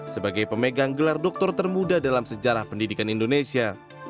sebagai pemegang gelar dokter termuda dalam sejarah pendidikan indonesia